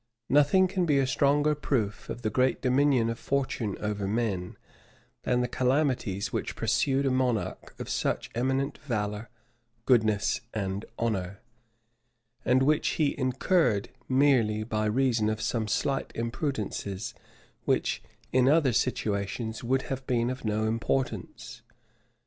Nothing can be a stronger proof of the great dominion of fortune over men, than the calamities which pursued a monarch of such eminent valor, goodness, and honor, and which he incurred merely by reason of some slight imprudences, which, in other situations, would have been of no importance.